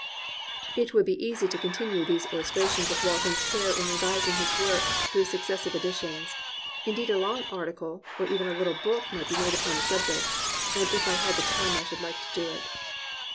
It would be easy to continue these illustrations of Walton's care in revising his work through succes sive editions; indeed a long article, or even a little book might be made upon this subject, and if I had the time I should like to do it.